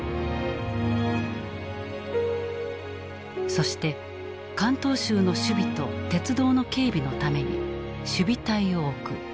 そして関東州の守備と鉄道の警備のために守備隊を置く。